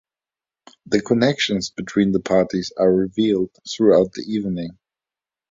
The connections between the parties are revealed throughout the evening.